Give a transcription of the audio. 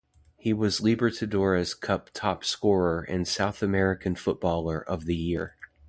He was Libertadores Cup top scorer and South American Footballer of the Year.